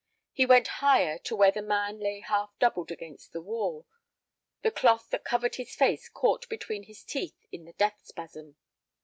He went higher to where the man lay half doubled against the wall, the cloth that covered his face caught between his teeth in the death spasm.